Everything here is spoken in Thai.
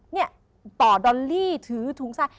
เนี่ยป่อดอลลี่ถือถุงทราย